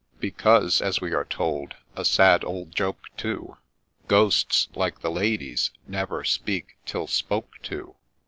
Because, as we are told, — a sad old joke, too, — Ghosts, like the ladies, ' never speak till spoke to.'